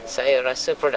saya rasa produk